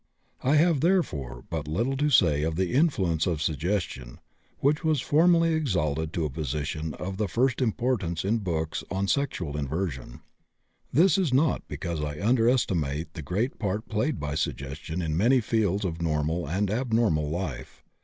I have, therefore, but little to say of the influence of suggestion, which was formerly exalted to a position of the first importance in books on sexual inversion. This is not because I underestimate the great part played by suggestion in many fields of normal and abnormal life.